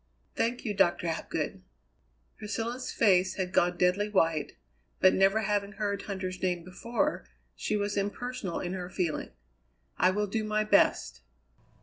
"Thank you, Doctor Hapgood." Priscilla's face had gone deadly white, but never having heard Huntter's name before, she was impersonal in her feeling. "I will do my best."